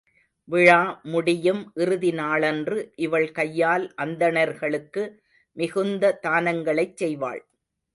விழா முடியும் இறுதி நாளன்று இவள் கையால் அந்தணர்களுக்கு மிகுந்த தானங்களைச் செய்வாள்.